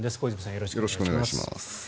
よろしくお願いします。